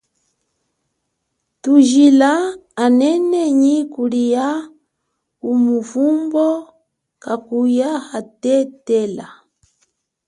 Thujila anene nyi kulia kumuvumbo kakuya hathethela.